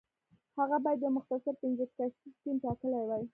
هغه باید یو مختصر پنځه کسیز ټیم ټاکلی وای.